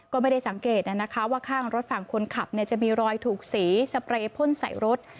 ก็ไม่ได้สังเกตว่าข้างรถฝั่งคนขับจะมีรอยถูกสีสเปรย์พ่นใส่รถ